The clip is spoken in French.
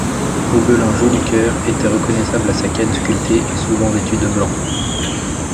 Aubelin Jolicoeur était reconnaissable à sa canne sculptée et souvent vêtu de blanc.